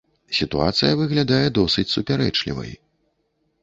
Сітуацыя выглядае досыць супярэчлівай.